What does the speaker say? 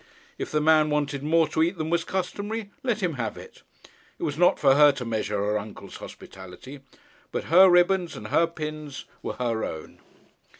If the man wanted more to eat than was customary, let him have it. It was not for her to measure her uncle's hospitality. But her ribbons and her pins were her own.